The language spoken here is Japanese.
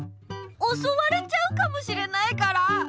おそわれちゃうかもしれないから！